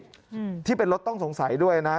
อืมที่เป็นรถต้องสงสัยด้วยนะ